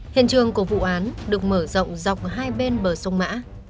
hiện trường của vụ án được mở rộng dọc hai bên bờ sông mã